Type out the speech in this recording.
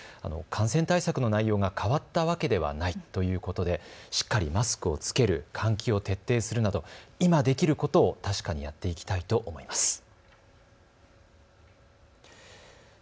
感染対策の内容が変わったわけではないということでしっかりマスクを着ける、換気を徹底するなど今できることを確かにやっていきたいと思います。